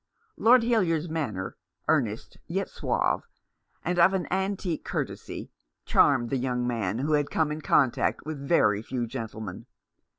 Lord Hildyard's manner, earnest yet suave, and of an antique courtesy, charmed the young man, who had come in contact with very few gentlemen.